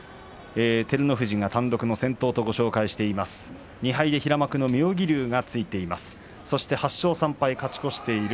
照ノ富士が単独の先頭とご紹介しています。